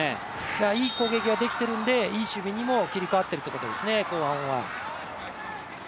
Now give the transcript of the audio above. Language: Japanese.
いい攻撃ができているのでいい守備にも切り替わっているということですね、後半は。